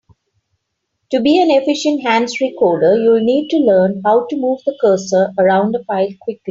To be an efficient hands-free coder, you'll need to learn how to move the cursor around a file quickly.